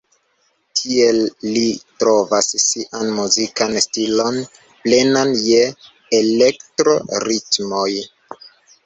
Tiel, li trovas sian muzikan stilon plenan je elektro-ritmoj.